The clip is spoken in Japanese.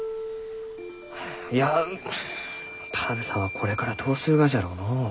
いや田邊さんはこれからどうするがじゃろうのう？